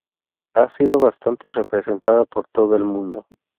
Ha sido bastante representada por todo el mundo.